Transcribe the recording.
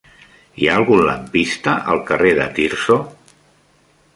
Hi ha algun lampista al carrer de Tirso?